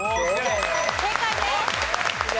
正解です。